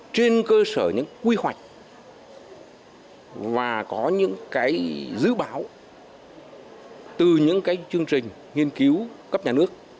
trên cơ sở những quy hoạch và có những cái dự báo từ những chương trình nghiên cứu cấp nhà nước